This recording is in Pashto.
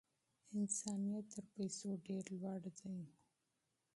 انسانیت تر پیسو مهم دی.